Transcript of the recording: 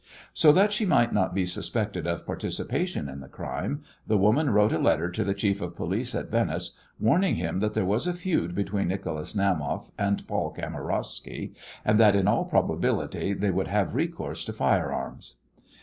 So that she might not be suspected of participation in the crime the woman wrote a letter to the Chief of Police at Venice, warning him that there was a feud between Nicholas Naumoff and Paul Kamarowsky and that in all probability they would have recourse to fire arms.